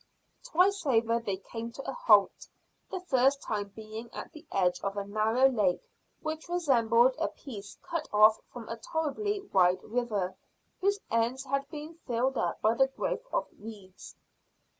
Twice over they came to a halt, the first time being at the edge of a narrow lake which resembled a piece cut off from a tolerably wide river, whose ends had been filled up by the growth of reeds.